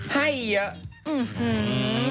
ให้เยอะ